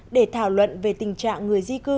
để thảo luận về tình trạng người di cư